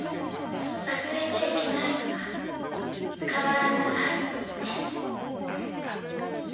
忘れちゃいけないのは変わらぬ愛です。